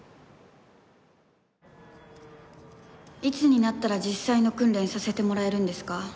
いつになったら実際の訓練させてもらえるんですか？